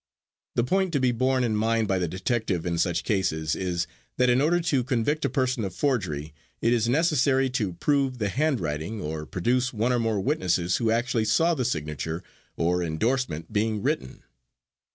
The point to be borne in mind by the detective in such cases is, that in order to convict a person of forgery, it is necessary to prove the handwriting, or produce one or more witnesses who actually saw the signature or endorsement being written.